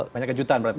banyak kejutan berarti